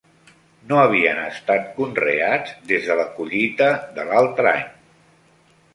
No havien estat conreats des de la collita de l'altre any